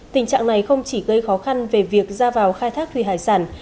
tình trạng này không chỉ gây khó khăn về việc ra vào khai thác thủy hải sản